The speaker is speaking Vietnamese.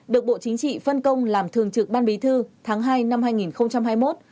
được bộ chính trị phân công làm thường trực ban bí thư tháng hai năm hai nghìn hai mươi một